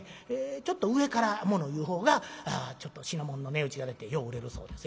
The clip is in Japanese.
ちょっと上から物言う方がちょっと品物の値打ちが出てよう売れるそうです。